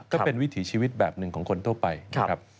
ก็เป็นวิถีชีวิตแบบหนึ่งของคนทั่วไปนะครับ